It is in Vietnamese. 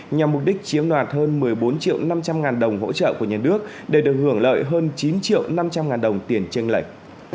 nhằm mục đích chiếm nọt hơn một mươi bốn triệu năm trăm linh ngàn đồng hỗ trợ của nhân đức để được hưởng lợi hơn chín triệu năm trăm linh ngàn đồng tiền chân lệch